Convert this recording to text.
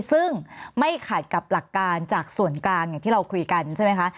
ซึ่งไม่ขัดกับหลักการจากส่วนกลางอย่างที่เราคุยกันใช่ไหมคะ